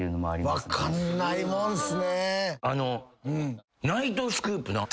分かんないもんすね。